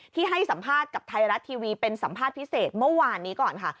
ให้สัมภาษณ์กับไทยรัฐทีวีเป็นสัมภาษณ์พิเศษเมื่อวานนี้ก่อนค่ะ